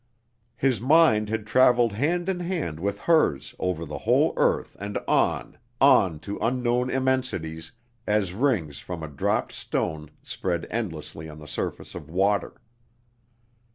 His mind had traveled hand in hand with hers over the whole earth and on, on to unknown immensities, as rings from a dropped stone spread endlessly on the surface of water.